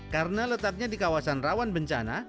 karena letaknya di kawasan rawan bencana